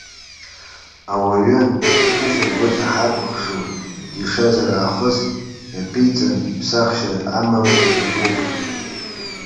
Ауаҩы, зхьышьаргәыҵа ҳакәыхшоу дишазар аахыс иаԥиҵан, ԥсахшьа амам, иаԥуп.